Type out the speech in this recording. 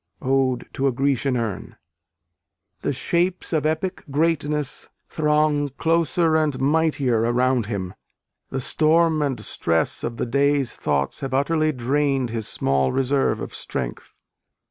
Ode to a Grecian Urn. The "shapes of epic greatness" throng closer and mightier around him. The storm and stress of the day's thoughts have utterly drained his small reserve of strength.